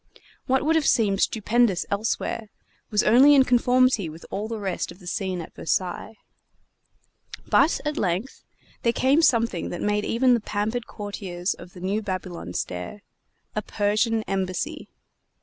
What would have seemed stupendous elsewhere was only in conformity with all the rest of the scene at Versailles. But, at length, there came something that made even the pampered courtiers of the new Babylon stare a Persian embassy.